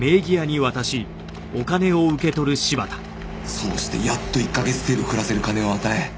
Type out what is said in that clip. そうしてやっと１か月程度暮らせる金を与え